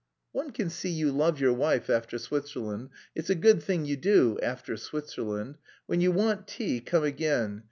"One can see you love your wife after Switzerland. It's a good thing you do after Switzerland. When you want tea, come again.